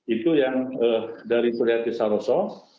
itu yang dari suriati saroso